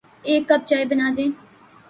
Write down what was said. ایک کپ چائے بنادیں